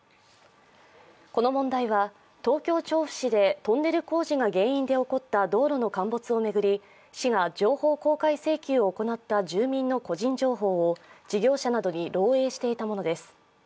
この問題は東京・調布市でトンネル工事が原因で起こった道路の陥没を巡り市が情報公開請求を行った住民の個人情報を事業者などに漏えいしていたものです。